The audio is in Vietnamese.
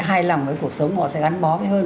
hài lòng với cuộc sống họ sẽ gắn bó với hơn